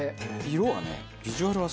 色はね。